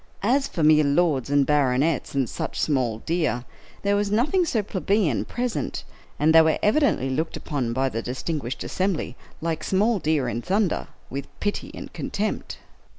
As for mere lords and baronets, and such small deer, there was nothing so plebeian present, and they were evidently looked upon by the distinguished assembly, like small deer in thunder, with pity and contempt.